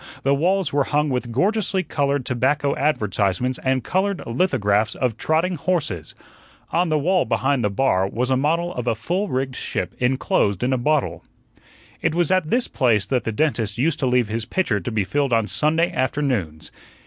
The walls were hung with gorgeously colored tobacco advertisements and colored lithographs of trotting horses. On the wall behind the bar was a model of a full rigged ship enclosed in a bottle. It was at this place that the dentist used to leave his pitcher to be filled on Sunday afternoons.